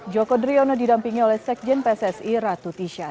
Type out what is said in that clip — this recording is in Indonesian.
joko driono didampingi oleh sekjen pssi ratu tisha